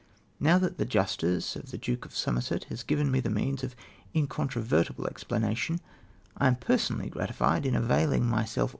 Now that the justice of the Duke of Somerset has given me the means of incontrovertible explanation, lam personally gratified in availing myself MR.